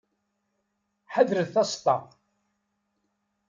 Ḥadret taseṭṭa.